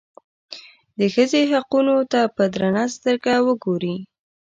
د ښځې حقونو ته په درنه سترګه وګوري.